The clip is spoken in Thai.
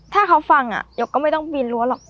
ถ้าเขาฟังยกก็ไม่ต้องปีนรั้วหรอก